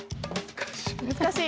難しい。